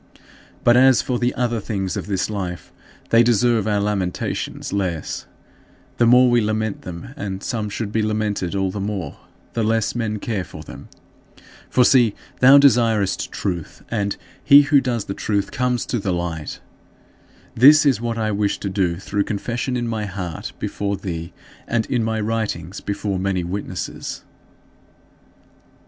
But as for the other things of this life, they deserve our lamentations less, the more we lament them; and some should be lamented all the more, the less men care for them. For see, "Thou desirest truth" and "he who does the truth comes to the light." This is what I wish to do through confession in my heart before thee, and in my writings before many witnesses.